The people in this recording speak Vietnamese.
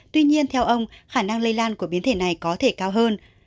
tuy nhiên theo ông khả năng lây lan của biến thể này có thể cao hơn